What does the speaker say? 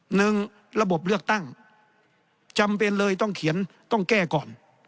หนึ่งระบบเลือกตั้งจำเป็นเลยต้องเขียนต้องแก้ก่อน